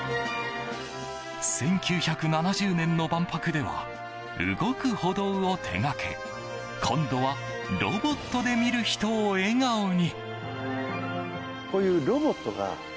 １９７０年の万博では動く歩道を手掛け今度はロボットで見る人を笑顔に。